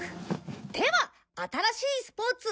では新しいスポーツ！